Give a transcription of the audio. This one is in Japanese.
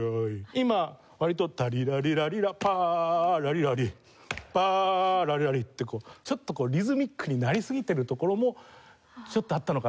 今割と「タリラリラリラパーラリラリ」「パーラリラリ」ってちょっとリズミックになりすぎてるところもちょっとあったのかなと。